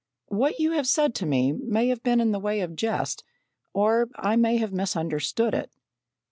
What you have said to me may have been in the way of jest, or I may have misunderstood it.